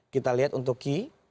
kita lihat untuk k